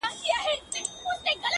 په یوه شېبه پر ملا باندي ماتېږې!!